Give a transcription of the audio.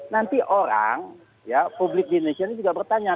nanti orang ya public denation juga bertanya